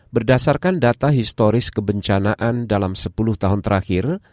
berdasarkan data historis kebencanaan dalam sepuluh tahun terakhir